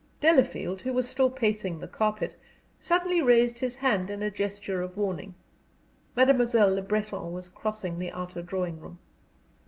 Delafield, who was still pacing the carpet, suddenly raised his hand in a gesture of warning. Mademoiselle Le Breton was crossing the outer drawing room.